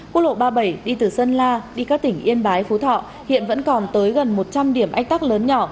quốc lộ ba mươi bảy đi từ sơn la đi các tỉnh yên bái phú thọ hiện vẫn còn tới gần một trăm linh điểm ách tắc lớn nhỏ